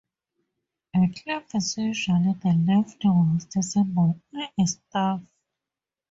A clef is usually the "leftmost" symbol on a staff.